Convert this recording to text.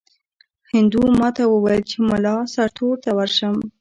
هندو ماته وویل چې مُلا سرتور ته ورشم.